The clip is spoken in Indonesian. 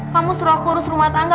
kamu suruh aku urus rumah tangga